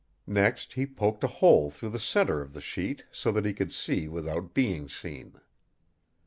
Next he poked a hole through the center of the sheet so that he could see without being seen.